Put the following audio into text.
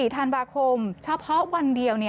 ๔ธันวาคมเฉพาะวันเดียว